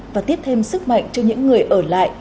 và tiếp thêm sức mạnh cho những người ở lại